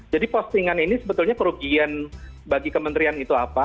jadi postingan ini sebetulnya kerugian bagi kementerian itu apa